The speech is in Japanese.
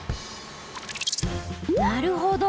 なるほど。